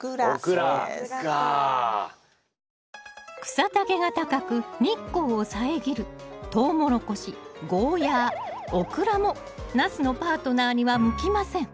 草丈が高く日光を遮るトウモロコシゴーヤーオクラもナスのパートナーには向きません。